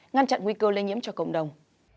ngăn chặn nguy cơ lây nhiễm cho cộng đồng